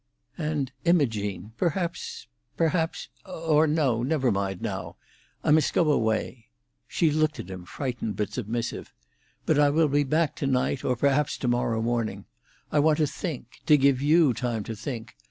"And, Imogene—perhaps—perhaps—Or, no; never mind, now. I must go away—" She looked at him, frightened but submissive. "But I will be back to night, or perhaps to morrow morning. I want to think—to give you time to think.